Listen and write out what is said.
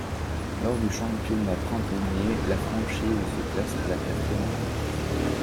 Lors du championnat printanier, la franchise se classe à la quatrième place.